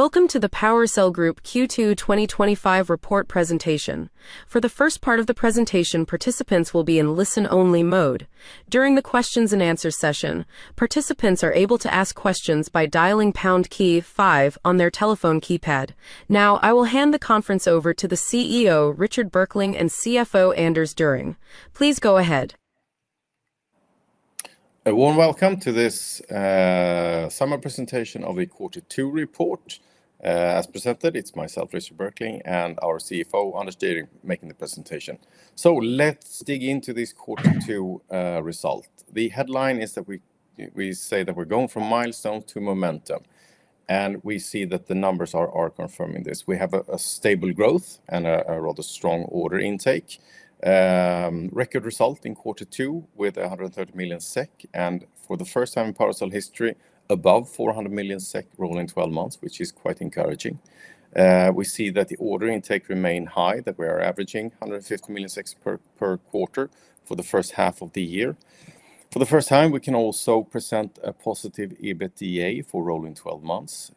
Welcome to the PowerCell Group Q2 2025 report presentation. For the first part of the presentation, participants will be in listen-only mode. During the questions and answers session, participants are able to ask questions by dialing pound key 5 on their telephone keypad. Now, I will hand the conference over to the CEO, Richard Berkling, and CFO, Anders Düring. Please go ahead. A warm welcome to this summer presentation of a Q2 report. As presented, it's myself, Richard Berkling, and our CFO, Anders Düring, making the presentation. Let's dig into this Q2 result. The headline is that we say that we're going from milestone to momentum, and we see that the numbers are confirming this. We have stable growth and a rather strong order intake. Record result in Q2 with 130 million SEK. For the first time in PowerCell history, above 400 million SEK rolling 12 months, which is quite encouraging. We see that the order intake remains high, that we are averaging 150 million per quarter for the first half of the year. For the first time, we can also present a positive EBITDA for rolling 12 months.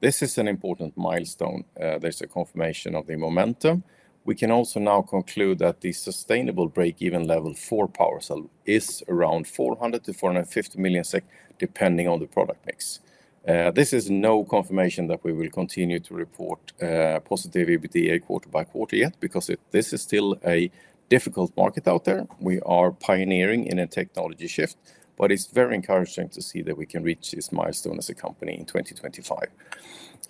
This is an important milestone. There's a confirmation of the momentum. We can also now conclude that the sustainable breakeven level for PowerCell is around 400 million-450 million SEK, depending on the product mix. This is no confirmation that we will continue to report positive EBITDA quarter by quarter yet because this is still a difficult market out there. We are pioneering in a technology shift, but it's very encouraging to see that we can reach this milestone as a company in 2025.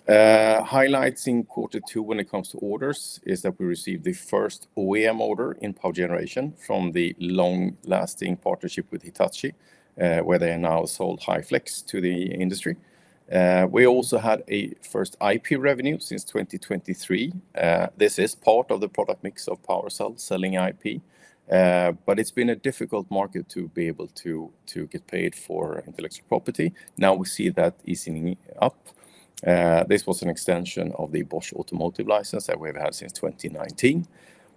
Highlights in Q2 when it comes to orders is that we received the first OEM order in power generation from the long-lasting partnership with Hitachi, where they now sold Hyflex unit to the industry. We also had a first IP revenue since 2023. This is part of the product mix of PowerCell selling IP, but it's been a difficult market to be able to get paid for intellectual property. Now we see that easing up. This was an extension of the Bosch automotive license that we've had since 2019.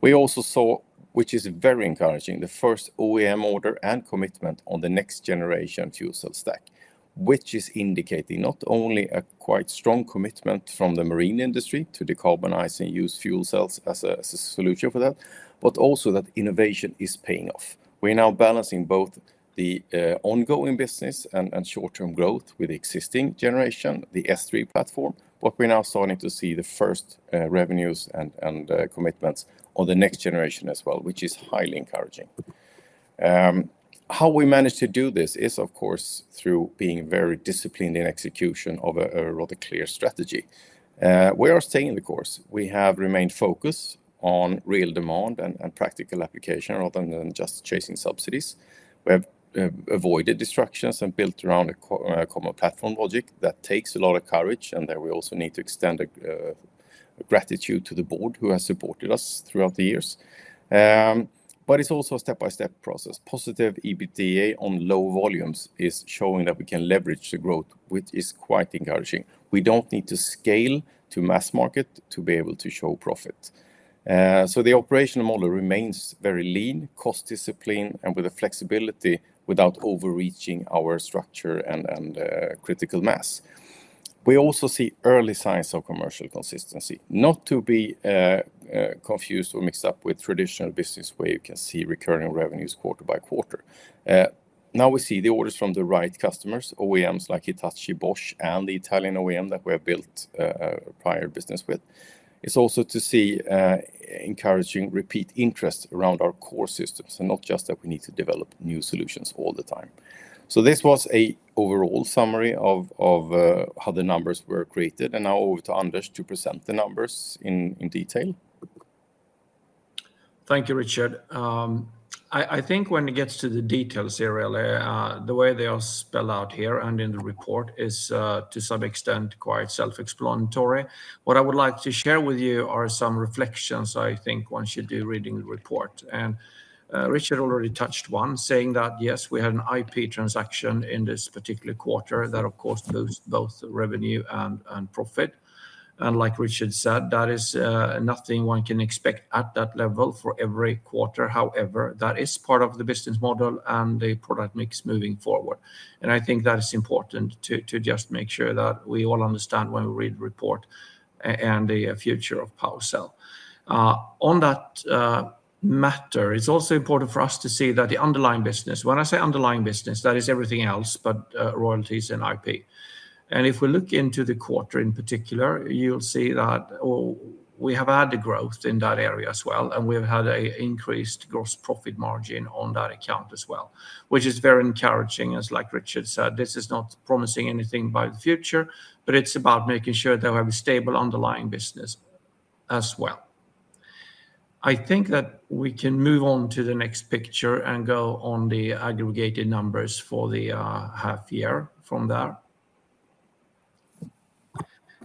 We also saw, which is very encouraging, the first OEM order and commitment on the next-generation fuel cell stack, which is indicating not only a quite strong commitment from the marine industry to decarbonizing using fuel cells as a solution for that, but also that innovation is paying off. We're now balancing both the ongoing business and short-term growth with the existing generation, the S3 platform, but we're now starting to see the first revenues and commitments on the next generation as well, which is highly encouraging. How we managed to do this is, of course, through being very disciplined in execution of a rather clear strategy. We are staying the course. We have remained focused on real demand and practical application rather than just chasing subsidies. We have avoided distractions and built around a common platform logic that takes a lot of courage, and we also need to extend a gratitude to the board who has supported us throughout the years. It is also a step-by-step process. Positive EBITDA on low volumes is showing that we can leverage the growth, which is quite encouraging. We don't need to scale to mass market to be able to show profit. The operational model remains very lean, cost disciplined, and with a flexibility without overreaching our structure and critical mass. We also see early signs of commercial consistency, not to be confused or mixed up with traditional business where you can see recurring revenues quarter by quarter. Now we see the orders from the right customers, OEMs like Hitachi, Bosch, and the Italian OEM that we have built prior business with. It is also encouraging to see repeat interest around our core systems and not just that we need to develop new solutions all the time. This was an overall summary of how the numbers were created, and now over to Anders Düring to present the numbers in detail. Thank you, Richard. I think when it gets to the details, ZeroAvia, the way they are spelled out here and in the report is to some extent quite self-explanatory. What I would like to share with you are some reflections I think one should do reading the report. Richard already touched on saying that, yes, we had an IP transaction in this particular quarter that, of course, boosts both revenue and profit. Like Richard said, that is nothing one can expect at that level for every quarter. However, that is part of the business model and the product mix moving forward. I think that is important to just make sure that we all understand when we read the report and the future of PowerCell. On that matter, it's also important for us to see that the underlying business, when I say underlying business, that is everything else but royalties and IP. If we look into the quarter in particular, you'll see that we have had the growth in that area as well, and we've had an increased gross profit margin on that account as well, which is very encouraging. Like Richard said, this is not promising anything by the future, but it's about making sure that we have a stable underlying business as well. I think that we can move on to the next picture and go on the aggregated numbers for the half year from there.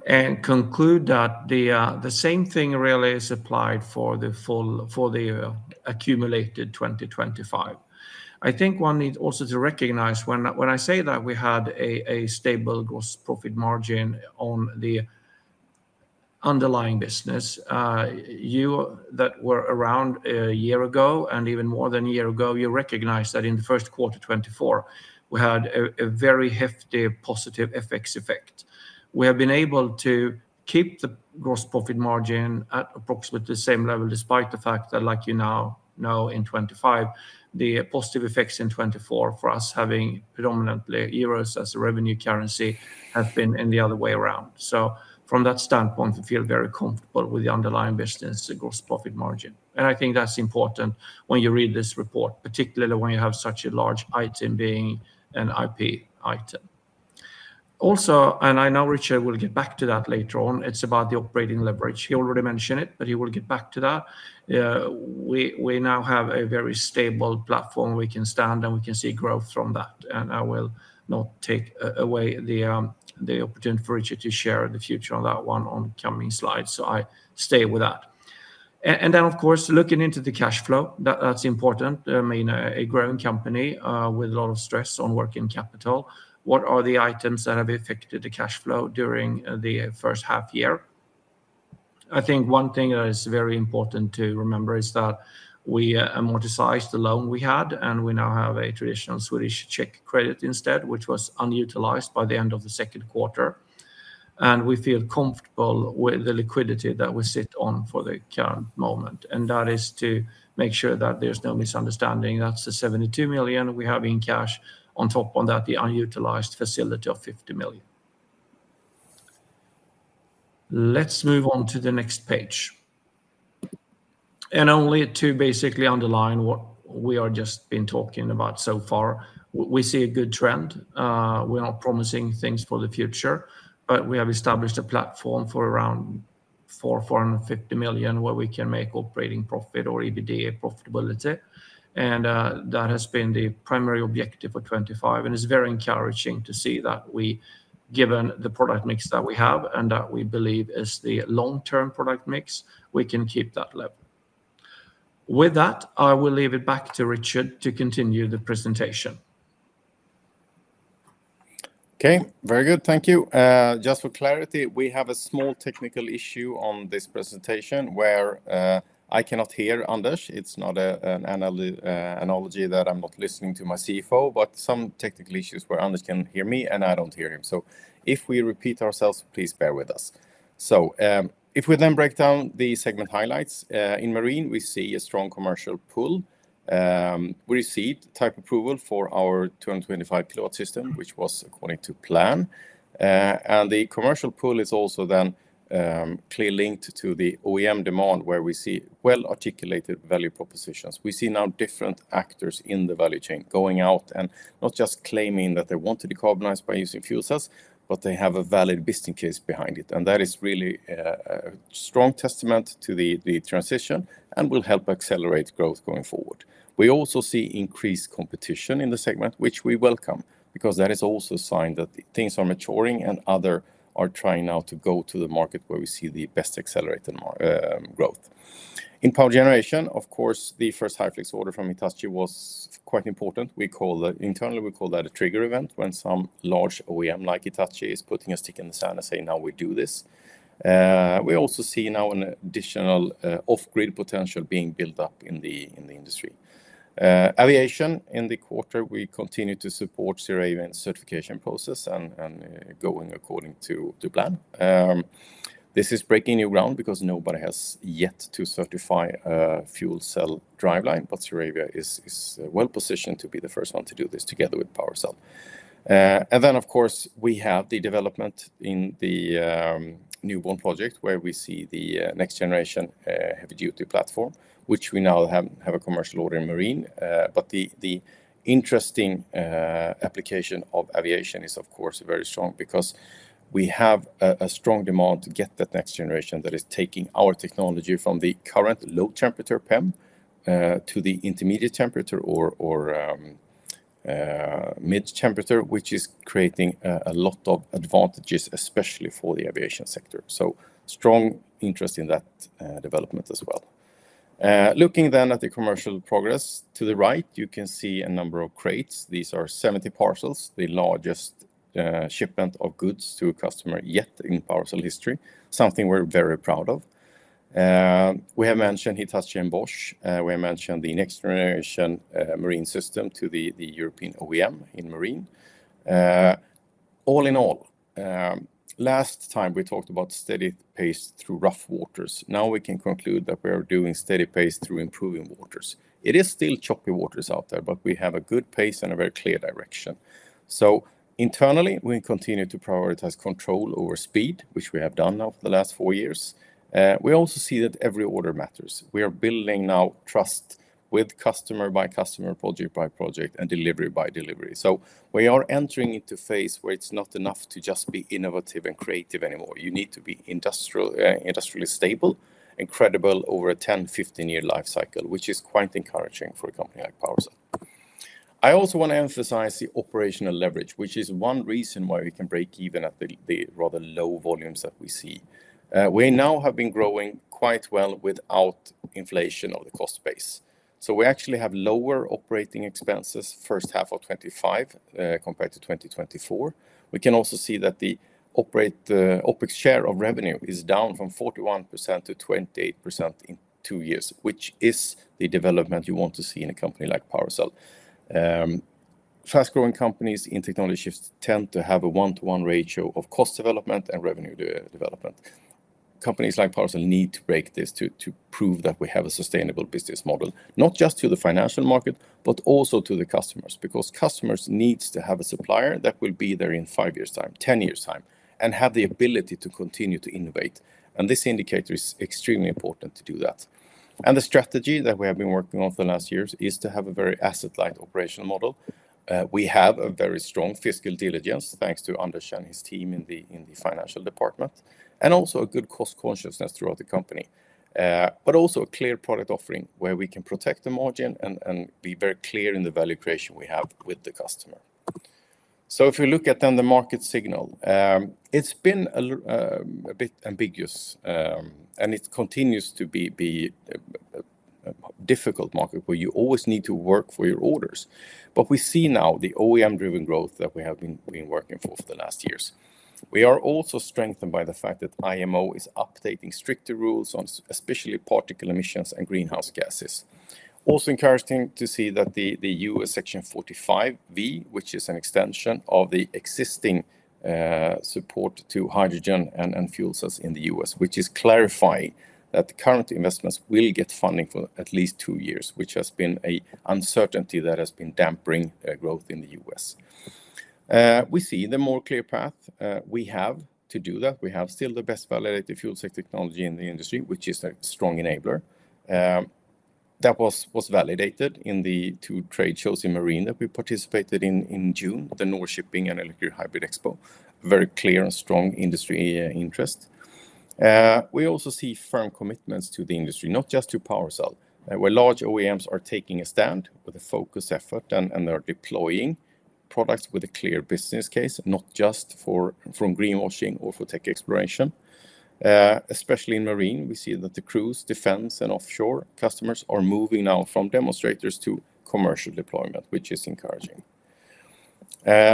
Conclude that the same thing really is applied for the full for the accumulated 2025. I think one needs also to recognize when I say that we had a stable gross profit margin on the underlying business. You that were around a year ago and even more than a year ago, you recognize that in the first quarter of 2024, we had a very hefty positive FX effect. We have been able to keep the gross profit margin at approximately the same level despite the fact that, like you now know, in 2025, the positive effects in 2024 for us having predominantly euros as a revenue currency have been in the other way around. From that standpoint, we feel very comfortable with the underlying business, the gross profit margin. I think that's important when you read this report, particularly when you have such a large item being an IP item. Also, I know Richard will get back to that later on, it's about the operating leverage. He already mentioned it, but he will get back to that. We now have a very stable platform we can stand on, and we can see growth from that. I will not take away the opportunity for Richard to share in the future on that one on the coming slides. I stay with that. Of course, looking into the cash flow, that's important. I mean, a growing company with a lot of stress on working capital. What are the items that have affected the cash flow during the first half year? I think one thing that is very important to remember is that we amortized the loan we had, and we now have a traditional Swedish-Czech credit instead, which was unutilized by the end of the second quarter. We feel comfortable with the liquidity that we sit on for the current moment. That is to make sure that there's no misunderstanding. That's the 72 million we have in cash. On top of that, the unutilized facility of 50 million. Let's move on to the next page. Only to basically underline what we have just been talking about so far. We see a good trend. We are promising things for the future, but we have established a platform for around 450 million where we can make operating profit or EBITDA profitability. That has been the primary objective for 2025. It is very encouraging to see that we, given the product mix that we have and that we believe is the long-term product mix, we can keep that level. With that, I will leave it back to Richard to continue the presentation. Okay, very good. Thank you. Just for clarity, we have a small technical issue on this presentation where I cannot hear Anders. It's not an analogy that I'm not listening to my CFO, but some technical issues where Anders can hear me and I don't hear him. If we repeat ourselves, please bear with us. If we then break down the segment highlights, in marine, we see a strong commercial pull. We received type approval for our 2025 pilot system, which was according to plan. The commercial pull is also then clearly linked to the OEM demand where we see well-articulated value propositions. We see now different actors in the value chain going out and not just claiming that they want to decarbonize by using fuel cells, but they have a valid business case behind it. That is really a strong testament to the transition and will help accelerate growth going forward. We also see increased competition in the segment, which we welcome because that is also a sign that things are maturing and others are trying now to go to the market where we see the best accelerated growth. In power generation, of course, the first Hyflex unit order from Hitachi was quite important. Internally, we call that a trigger event when some large OEM like Hitachi is putting a stick in the sand and saying, "Now we do this." We also see now an additional off-grid potential being built up in the industry. In aviation, in the quarter, we continue to support the ZeroAvia certification process and going according to plan. This is breaking new ground because nobody has yet to certify a fuel cell driveline, but ZeroAvia is well positioned to be the first one to do this together with PowerCell. Of course, we have the development in the newborn project where we see the next-generation heavy-duty platform, which we now have a commercial order in marine. The interesting application of aviation is, of course, very strong because we have a strong demand to get that next generation that is taking our technology from the current low temperature PEM to the intermediate temperature or mid temperature, which is creating a lot of advantages, especially for the aviation sector. Strong interest in that development as well. Looking then at the commercial progress, to the right, you can see a number of crates. These are 70 parcels, the largest shipment of goods to a customer yet in PowerCell history, something we're very proud of. We have mentioned Hitachi and Bosch. We have mentioned the next-generation Marine System 225 to the European OEM in marine. All in all, last time we talked about steady pace through rough waters. Now we can conclude that we are doing steady pace through improving waters. It is still choppy waters out there, but we have a good pace and a very clear direction. Internally, we continue to prioritize control over speed, which we have done now for the last four years. We also see that every order matters. We are building now trust with customer by customer, project by project, and delivery by delivery. We are entering into a phase where it's not enough to just be innovative and creative anymore. You need to be industrially stable and credible over a 10, 15-year life cycle, which is quite encouraging for a company like PowerCell. I also want to emphasize the operational leverage, which is one reason why we can break even at the rather low volumes that we see. We now have been growing quite well without inflation on the cost base. We actually have lower operating expenses first half of 2025 compared to 2024. We can also see that the OpEx share of revenue is down from 41%-28% in two years, which is the development you want to see in a company like PowerCell. Fast-growing companies in technology shifts tend to have a one-to-one ratio of cost development and revenue development. Companies like PowerCell need to break this to prove that we have a sustainable business model, not just to the financial market, but also to the customers because customers need to have a supplier that will be there in five years' time, ten years' time, and have the ability to continue to innovate. This indicator is extremely important to do that. The strategy that we have been working on for the last years is to have a very asset-light operational model. We have a very strong fiscal diligence thanks to Anders Düring and his team in the financial department, and also a good cost consciousness throughout the company, but also a clear product offering where we can protect the margin and be very clear in the value creation we have with the customer. If we look at then the market signal, it's been a bit ambiguous, and it continues to be a difficult market where you always need to work for your orders. We see now the OEM-driven growth that we have been working for for the last years. We are also strengthened by the fact that IMO is updating stricter rules on especially particle emissions and greenhouse gases. Also encouraging to see that the U.S. Section 45(b), which is an extension of the existing support to hydrogen and fuel cells in the U.S., is clarifying that current investments will get funding for at least two years, which has been an uncertainty that has been dampening growth in the U.S. We see the more clear path we have to do that. We have still the best validated fuel technology in the industry, which is a strong enabler. That was validated in the two trade shows in marine that we participated in in June, the Nor Shipping and Electric Hybrid Expo. Very clear and strong industry interest. We also see firm commitments to the industry, not just to PowerCell, where large OEMs are taking a stand with a focused effort and are deploying products with a clear business case, not just for greenwashing or for tech exploration. Especially in marine, we see that the cruise, defense, and offshore customers are moving now from demonstrators to commercial deployment, which is encouraging.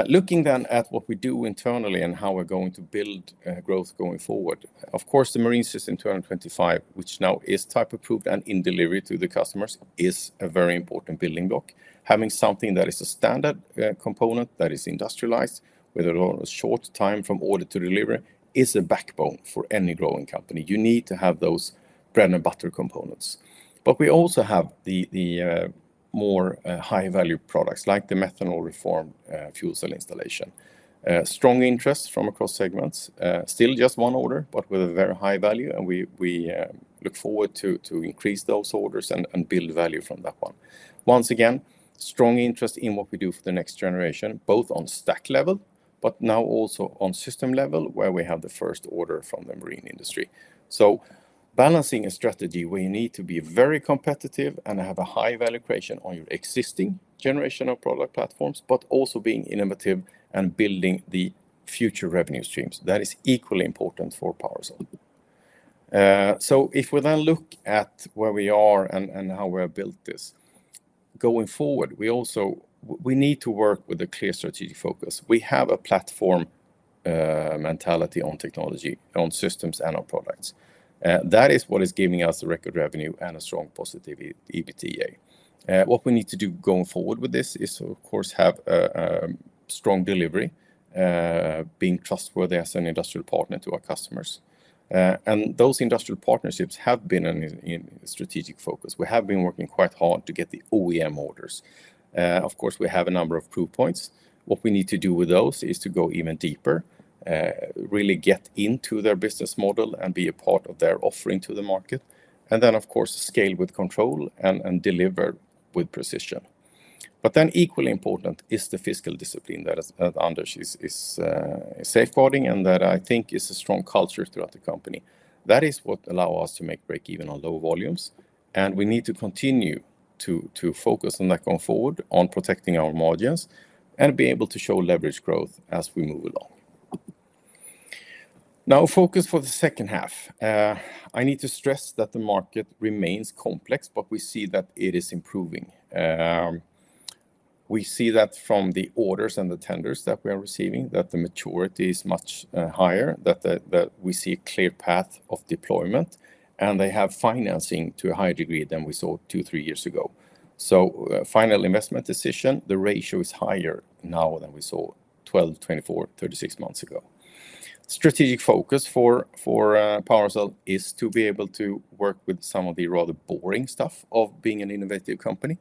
Looking then at what we do internally and how we're going to build growth going forward, of course, the Marine System 225, which now is type approved and in delivery to the customers, is a very important building block. Having something that is a standard component that is industrialized with a short time from order to deliver is a backbone for any growing company. You need to have those bread and butter components. We also have the more high-value products like the methanol reform fuel cell installation. Strong interest from across segments, still just one order, but with a very high value, and we look forward to increase those orders and build value from that one. Once again, strong interest in what we do for the next generation, both on stack level, but now also on system level where we have the first order from the marine industry. Balancing a strategy where you need to be very competitive and have a high value creation on your existing generation of product platforms, but also being innovative and building the future revenue streams, that is equally important for PowerCell. If we then look at where we are and how we have built this going forward, we also need to work with a clear strategic focus. We have a platform mentality on technology, on systems, and on products. That is what is giving us the record revenue and a strong positive EBITDA. What we need to do going forward with this is, of course, have a strong delivery, being trustworthy as an industrial partner to our customers. Those industrial partnerships have been in a strategic focus. We have been working quite hard to get the OEM orders. We have a number of proof points. What we need to do with those is to go even deeper, really get into their business model and be a part of their offering to the market. Then, of course, scale with control and deliver with precision. Equally important is the fiscal discipline that Anders is safeguarding and that I think is a strong culture throughout the company. That is what allows us to make breakeven on low volumes. We need to continue to focus on that going forward, on protecting our margins and be able to show leverage growth as we move along. Now, focus for the second half. I need to stress that the market remains complex, but we see that it is improving. We see that from the orders and the tenders that we are receiving, that the maturity is much higher, that we see a clear path of deployment, and they have financing to a higher degree than we saw two, three years ago. Final investment decision, the ratio is higher now than we saw 12, 24, 36 months ago. Strategic focus for PowerCell is to be able to work with some of the rather boring stuff of being an innovative company,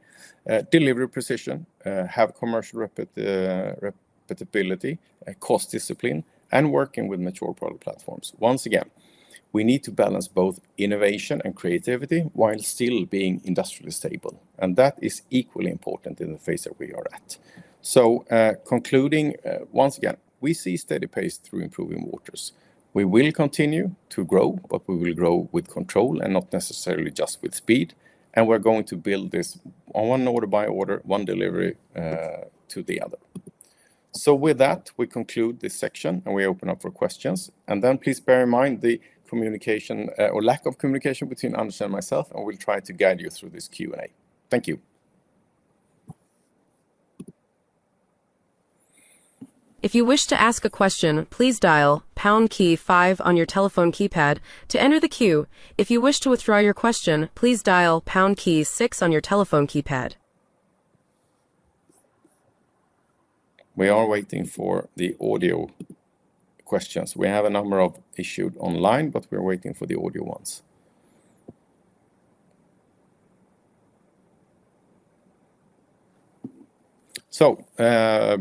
delivery precision, have commercial reputability, cost discipline, and working with mature product platforms. Once again, we need to balance both innovation and creativity while still being industrially stable. That is equally important in the phase that we are at. Concluding, once again, we see steady pace through improving waters. We will continue to grow, but we will grow with control and not necessarily just with speed. We are going to build this one order by order, one delivery to the other. With that, we conclude this section and we open up for questions. Please bear in mind the communication or lack of communication between Anders and myself, and we'll try to guide you through this Q&A. Thank you. If you wish to ask a question, please dial pound key 5 on your telephone keypad to enter the queue. If you wish to withdraw your question, please dial pound key 6 on your telephone keypad. We are waiting for the audio questions. We have a number of issued online, but we're waiting for the audio ones.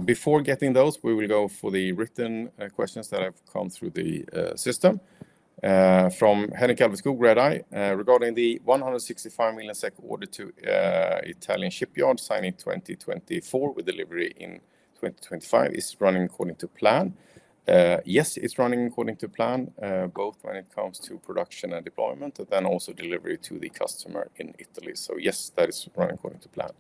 Before getting those, we will go for the written questions that have come through the system. From Henrik Alveskog, Red Eye, regarding the 165 million SEK order to Italian shipyard signing 2024 with delivery in 2025, is running according to plan. Yes, it's running according to plan, both when it comes to production and deployment, and also delivery to the customer in Italy. Yes, that is running according to plan.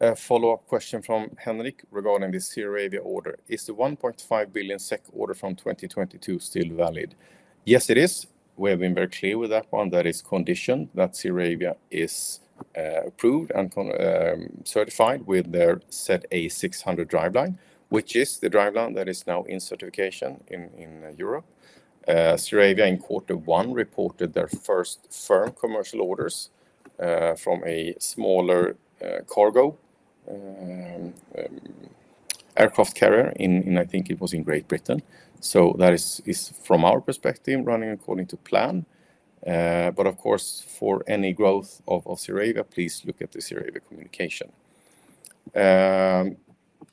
A follow-up question from Henrik regarding the ZeroAvia order. Is the 1.5 billion SEK order from 2022 still valid? Yes, it is. We have been very clear with that one. That is conditioned that ZeroAvia is approved and certified with their ZA600 driveline, which is the driveline that is now in certification in Europe. ZeroAvia in quarter one reported their first firm commercial orders from a smaller cargo aircraft carrier in, I think it was in Great Britain. That is, from our perspective, running according to plan. For any growth of ZeroAvia, please look at the ZeroAvia communication.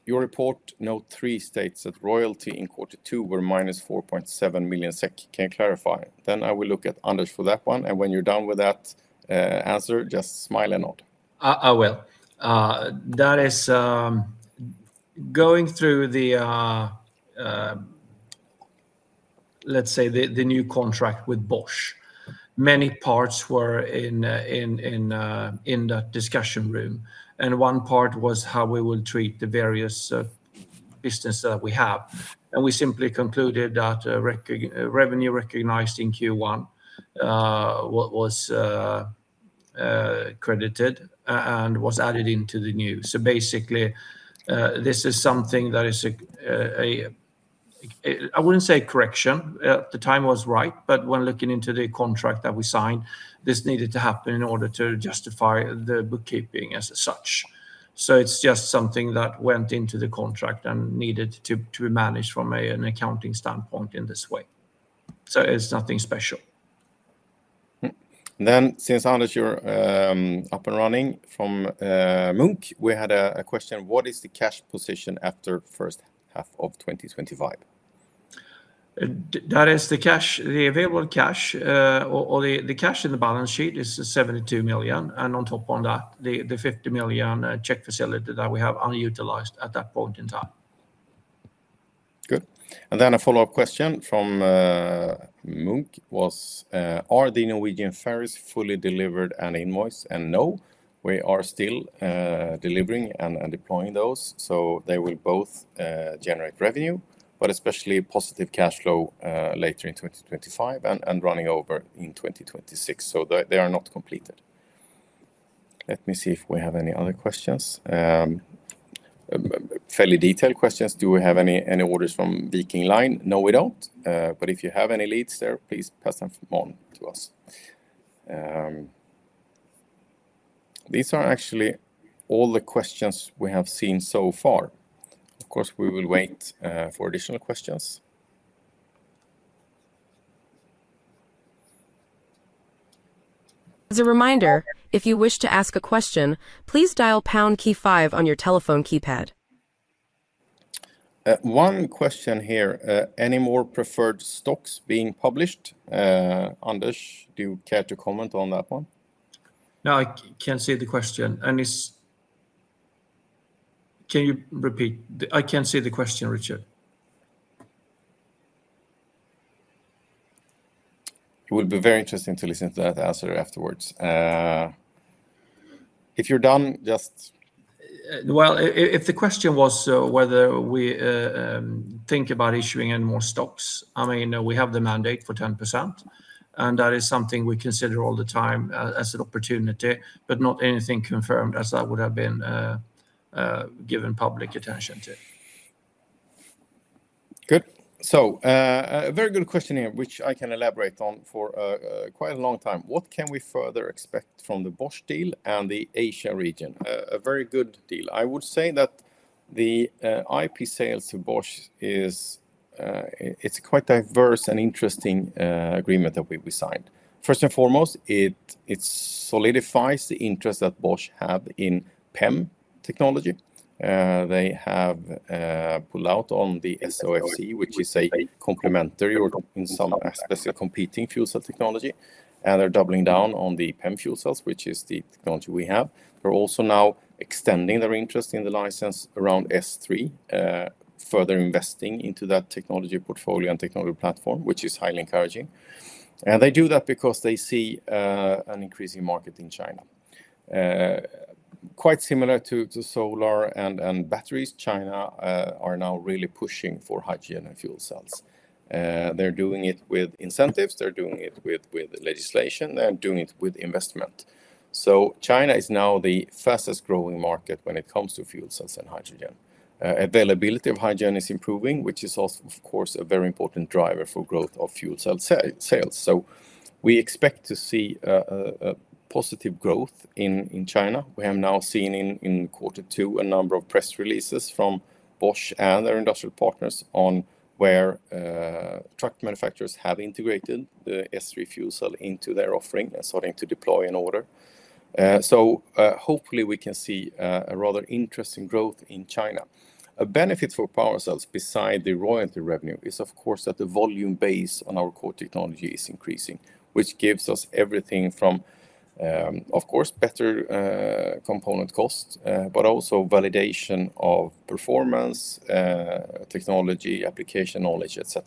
Your report note three states that royalty in quarter two were -4.7 million SEK. Can you clarify? I will look at Anders for that one. When you're done with that answer, just smile and nod. I will. That is going through the, let's say, the new contract with Bosch. Many parts were in that discussion room. One part was how we will treat the various businesses that we have. We simply concluded that revenue recognized in Q1 was credited and was added into the new. Basically, this is something that is a, I wouldn't say a correction. The time was right, but when looking into the contract that we signed, this needed to happen in order to justify the bookkeeping as such. It's just something that went into the contract and needed to be managed from an accounting standpoint in this way. It's nothing special. Anders, you're up and running from Munk, we had a question. What is the cash position after the first half of 2025? That is the available cash. The cash in the balance sheet is 72 million. On top of that, the 50 million credit facility that we have unutilized at that point in time. Good. A follow-up question from Munk was, are the Norwegian ferries fully delivered and invoiced? No, we are still delivering and deploying those. They will both generate revenue, but especially positive cash flow later in 2025 and running over in 2026. They are not completed. Let me see if we have any other questions. Fairly detailed questions. Do we have any orders from Viking Line? No, we don't. If you have any leads there, please pass them on to us. These are actually all the questions we have seen so far. Of course, we will wait for additional questions. As a reminder, if you wish to ask a question, please dial the pound key 5 on your telephone keypad. One question here. Any more preferred stocks being published? Anders, do you care to comment on that one? No, I can see the question. Can you repeat? I can see the question, Richard. It will be very interesting to listen to that answer afterwards. If you're done, just... If the question was whether we think about issuing any more stocks, I mean, we have the mandate for 10%. That is something we consider all the time as an opportunity, but not anything confirmed as I would have been given public attention to. Good. A very good question here, which I can elaborate on for quite a long time. What can we further expect from the Bosch deal and the Asia region? A very good deal. I would say that the IP sales to Bosch is quite a diverse and interesting agreement that we signed. First and foremost, it solidifies the interest that Bosch has in PEM technology. They have pulled out on the SOFC, which is a complementary or in some aspects a competing fuel cell technology. They're doubling down on the PEM fuel cells, which is the technology we have. They're also now extending their interest in the license around S3, further investing into that technology portfolio and technology platform, which is highly encouraging. They do that because they see an increasing market in China. Quite similar to solar and batteries, China is now really pushing for hydrogen and fuel cells. They're doing it with incentives, legislation, and investment. China is now the fastest growing market when it comes to fuel cells and hydrogen. Availability of hydrogen is improving, which is also, of course, a very important driver for growth of fuel cell sales. We expect to see a positive growth in China. We have now seen in quarter two a number of press releases from Bosch and their industrial partners on where truck manufacturers have integrated the S3 fuel cell into their offering and starting to deploy an order. Hopefully, we can see a rather interesting growth in China. A benefit for PowerCell's, beside the royalty revenue, is, of course, that the volume base on our core technology is increasing, which gives us everything from, of course, better component cost, but also validation of performance, technology, application knowledge, etc.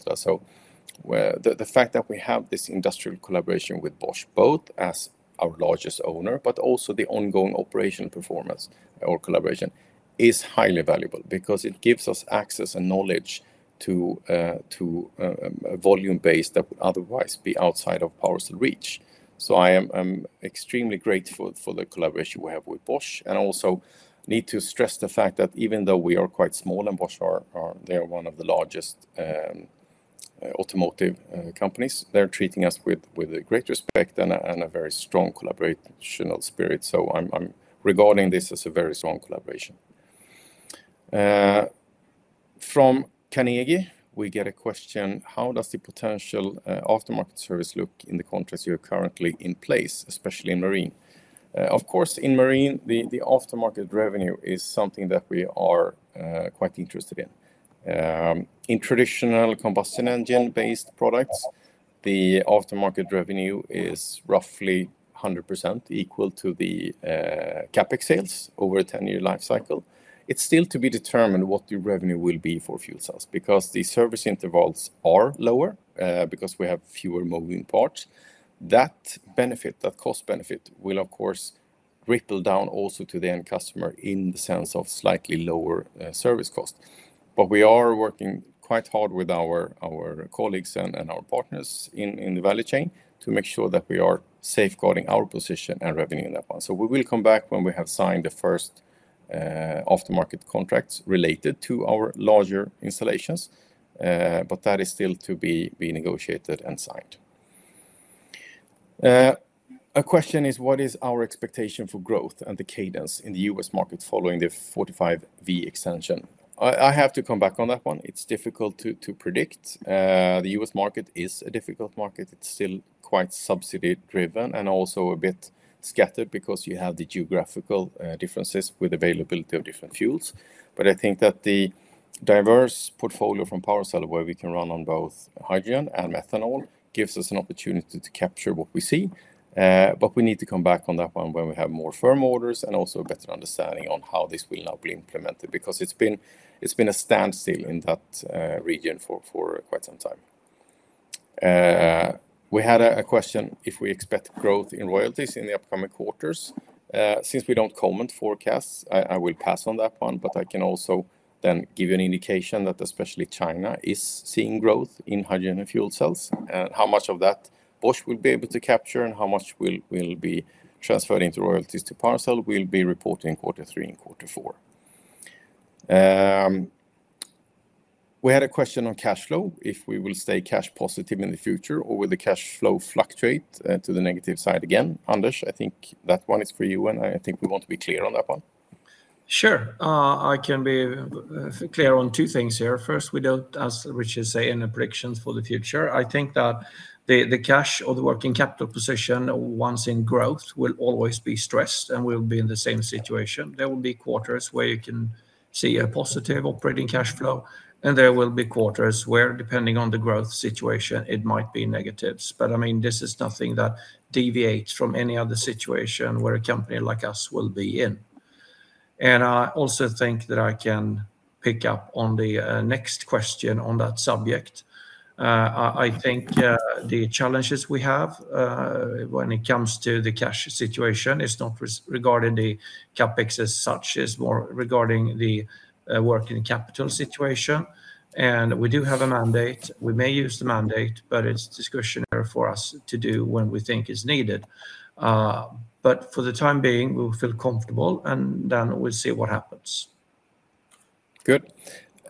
The fact that we have this industrial collaboration with Bosch, both as our largest owner and the ongoing operational performance or collaboration, is highly valuable because it gives us access and knowledge to a volume base that would otherwise be outside of PowerCell's reach. I am extremely grateful for the collaboration we have with Bosch. I also need to stress the fact that even though we are quite small and Bosch is one of the largest automotive companies, they're treating us with great respect and a very strong collaborational spirit. I'm regarding this as a very strong collaboration. From Carnegie, we get a question. How does the potential aftermarket service look in the contracts you're currently in place, especially in marine? Of course, in marine, the aftermarket revenue is something that we are quite interested in. In traditional combustion engine-based products, the aftermarket revenue is roughly 100% equal to the CapEx sales over a 10-year lifecycle. It's still to be determined what the revenue will be for fuel cells because the service intervals are lower because we have fewer moving parts. That benefit, that cost benefit, will, of course, ripple down also to the end customer in the sense of slightly lower service cost. We are working quite hard with our colleagues and our partners in the value chain to make sure that we are safeguarding our position and revenue in that one. We will come back when we have signed the first aftermarket contracts related to our larger installations. That is still to be negotiated and signed. A question is, what is our expectation for growth and the cadence in the U.S. market following the Section 45(b) extension? I have to come back on that one. It's difficult to predict. The U.S. market is a difficult market. It's still quite subsidy-driven and also a bit scattered because you have the geographical differences with availability of different fuels. I think that the diverse portfolio from PowerCell, where we can run on both hydrogen and methanol, gives us an opportunity to capture what we see. We need to come back on that one when we have more firm orders and also a better understanding on how this will now be implemented because it's been a standstill in that region for quite some time. We had a question if we expect growth in royalties in the upcoming quarters. Since we don't comment forecasts, I will pass on that one, but I can also then give you an indication that especially China is seeing growth in hydrogen and fuel cells. How much of that Bosch will be able to capture and how much will be transferred into royalties to PowerCell will be reported in quarter three and quarter four. We had a question on cash flow. If we will stay cash positive in the future or will the cash flow fluctuate to the negative side again? Anders, I think that one is for you, and I think we want to be clear on that one. Sure. I can be clear on two things here. First, we don't, as Richard said, any predictions for the future. I think that the cash or the working capital position, once in growth, will always be stressed and will be in the same situation. There will be quarters where you can see a positive operating cash flow, and there will be quarters where, depending on the growth situation, it might be negative. This is nothing that deviates from any other situation where a company like us will be in. I also think that I can pick up on the next question on that subject. I think the challenges we have when it comes to the cash situation is not regarding the CapEx as such. It's more regarding the working capital situation. We do have a mandate. We may use the mandate, but it's discretionary for us to do when we think it's needed. For the time being, we will feel comfortable, and then we'll see what happens. Good.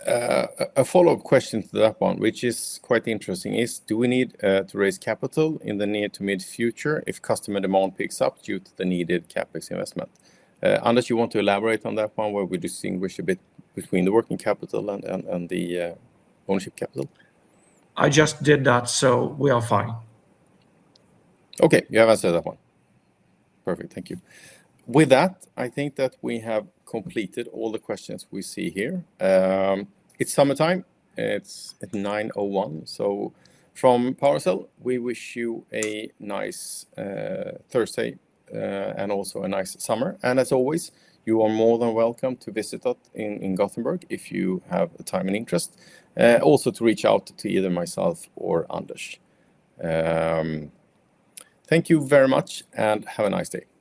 A follow-up question to that one, which is quite interesting, is do we need to raise capital in the near to mid future if customer demand picks up due to the needed CapEx investment? Anders, you want to elaborate on that one where we distinguish a bit between the working capital and the ownership capital? I just did that, so we are fine. Okay, you have answered that one. Perfect, thank you. With that, I think that we have completed all the questions we see here. It's summertime. It's at 9:01 A.M. From PowerCell, we wish you a nice Thursday and also a nice summer. As always, you are more than welcome to visit us in Gothenburg if you have the time and interest. Also, reach out to either myself or Anders. Thank you very much, and have a nice day.